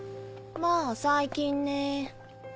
まぁ最近ね。